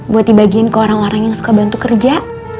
buat dibagiin ke orang orang yang suka bantu kerja